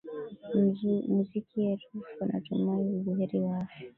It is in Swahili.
muziki rfi natumai u buheri wa afya